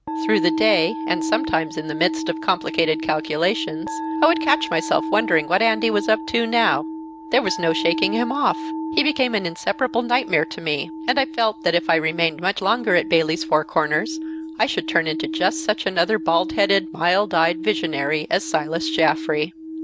Through the day, and sometimes in the midst of complicated calculations, I would catch myself wondering what Andy was up to now! There was no shaking him off; he became an inseparable nightmare to me; and I felt that if I remained much longer at Bayley's Four Corners I should turn into just such another bald headed, mild eyed visionary as Silas Jaffrey.